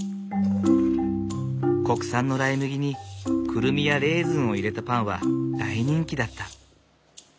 国産のライ麦にクルミやレーズンを入れたパンは大人気だった。